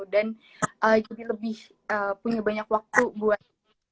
dan jadi lebih punya banyak waktu buat